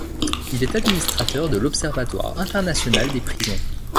Il est administrateur de l’Observatoire international des prisons.